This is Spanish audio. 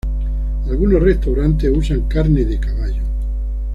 Algunos restaurantes usan carne de caballo.